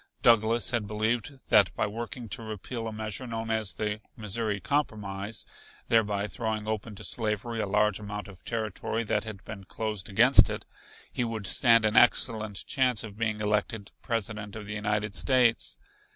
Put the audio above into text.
Douglas had believed that by working to repeal a measure known as the Missouri Compromise, thereby throwing open to slavery a large amount of territory that had been closed against it, he would stand an excellent chance of being elected President of the United States.